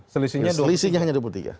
selisihnya hanya dua puluh tiga